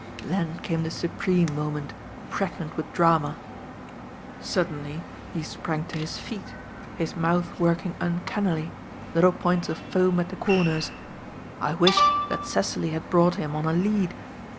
Then came the supreme moment, pregnant with drama. Suddenly he sprang to his feet, his mouth working uncannily, little points of foam at the comers. I wished that Cecily had brought him on a lead.